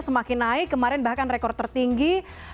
semakin naik kemarin bahkan rekor tertinggi